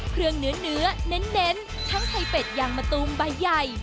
เนื้อเน้นทั้งไข่เป็ดยางมะตูมใบใหญ่